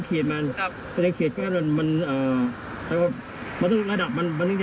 เดี๋ยวพี่ไปที่พัพเท่าไหร่